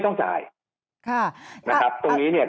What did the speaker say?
ทางประกันสังคมก็จะสามารถเข้าไปช่วยจ่ายเงินสมทบให้๖๒